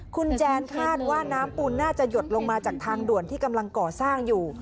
คุณแจนคาดว่าน้ำปูนน่าจะหยดลงมาจากทางด่วนที่กำลังก่อสร้างอยู่